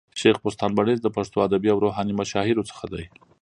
شېخ بُستان بړیڅ د پښتو ادبي او روحاني مشاهيرو څخه دئ.